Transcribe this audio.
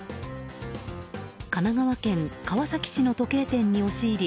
神奈川県川崎市の時計店に押し入り